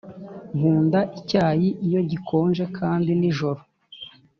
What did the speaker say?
Nkunda icyayi iyo gikonje kandi nijoro